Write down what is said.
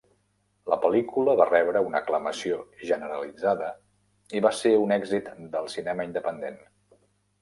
La pel·lícula va rebre una aclamació generalitzada i va ser un èxit del cinema independent.